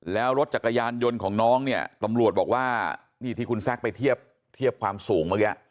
แล้วรถจักรยานยนต์ของน้องเนี่ยตำรวจบอกว่านี่ที่คุณแซคไปเทียบความสูงเมื่อกี้